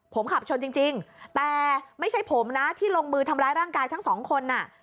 ผมขับชนจริงแต่ไม่ใช่ผมนะที่ลงมือทำร้ายร่างกายทั้งสองคนอ่ะ